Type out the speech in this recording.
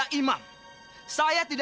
tapi dengan muslimio mereka